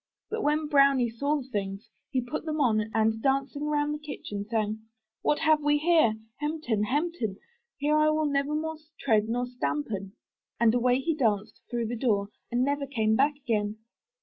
But when BROWNIE saw the things, he put them on and, dancing round the kitchen, sang, 'What have we here? Hem ten ham ten! Here will I nevermore tread nor stampen.' And away he danced through the door and never came back again."